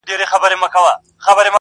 زه هم د هغوی اولاد يم.